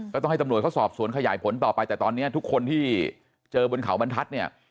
ต้องให้ตำรวจเขาสอบสวนขยายผลต่อไปแต่ตอนนี้ทุกคนที่เจอบนเขาบรรทัศน์เนี่ย